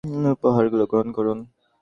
আপনার সেবার বিনিময়ে, এই উপহারগুলো গ্রহণ করুন।